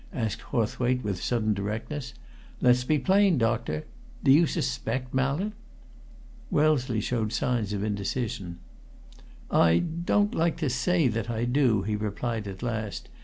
asked Hawthwaite with sudden directness. "Let's be plain, doctor do you suspect Mallett?" Wellesley showed signs of indecision. "I don't like to say that I do," he replied at last.